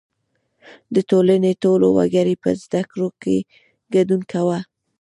• د ټولنې ټولو وګړو په زدهکړو کې ګډون کاوه.